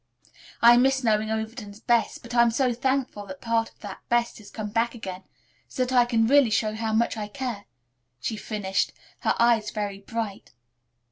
I missed knowing Overton's best, but I'm so thankful that part of that best has come back again, so that I can really show how much I care," she finished, her eyes very bright.